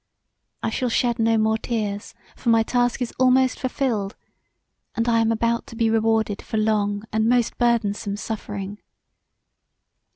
I shall shed no more tears for my task is almost fulfilled, and I am about to be rewarded for long and most burthensome suffering.